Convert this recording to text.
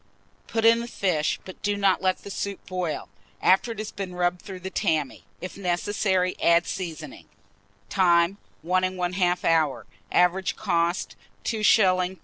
Put in the fish, but do not let the soup boil, after it has been rubbed through the tammy. If necessary, add seasoning. Time. 1 1/2 hour. Average cost, 2s. 3d.